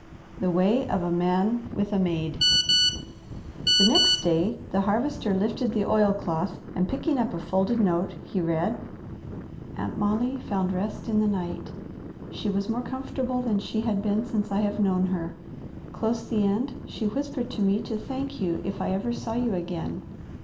"THE WAY OF A MAN WITH A MAID" The next day the Harvester lifted the oilcloth, and picking up a folded note he read "Aunt Molly found rest in the night. She was more comfortable than she had been since I have known her. Close the end she whispered to me to thank you if I ever saw you again.